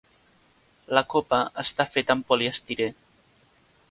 La copa està feta amb poliestirè.